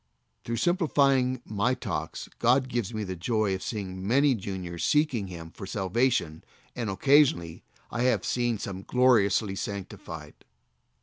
Through simplifying my talks God gives me the joy of seeing many juniors seeking Him for salvation, and occasionally I have seen some gloriously sanctified.